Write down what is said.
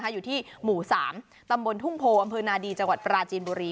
อยู่ที่หมู่๓ตำบลทุ่งโพอำเภอนาดีจังหวัดปราจีนบุรี